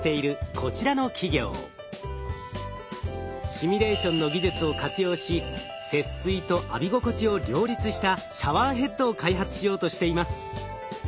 シミュレーションの技術を活用し節水と浴び心地を両立したシャワーヘッドを開発しようとしています。